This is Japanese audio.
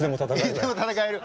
いつでも戦える？